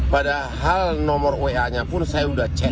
padahal nomor wa nya pun saya sudah cek